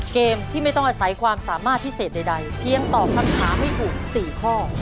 เกมที่ไม่ต้องอาศัยความสามารถพิเศษใดเพียงตอบคำถามให้ถูก๔ข้อ